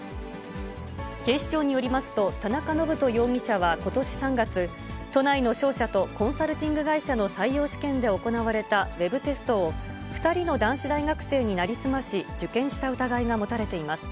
警視庁によりますと、田中信人容疑者はことし３月、都内の商社とコンサルティング会社の採用試験で行われたウェブテストを、２人の男子大学生に成り済まし、受験した疑いが持たれています。